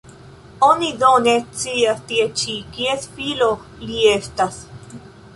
Oni do ne scias tie ĉi, kies filo li estas?